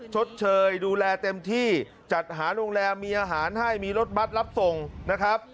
ชดเชยดูแลเต็มที่จัดหาโรงแรมมีอาหารให้มีรถบัตรรับส่งนะครับ